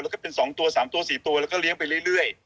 แล้วก็เป็น๒ตัว๓ตัว๔ตัวแล้วก็เลี้ยงไปเรื่อย